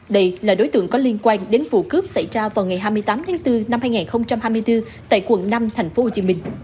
đây là đối tượng có liên quan đến vụ cướp xảy ra vào ngày hai mươi tám tháng bốn năm hai nghìn hai mươi bốn tại quận năm tp hcm